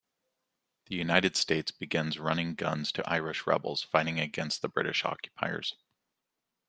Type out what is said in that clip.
The United States begins running guns to Irish rebels fighting against the British occupiers.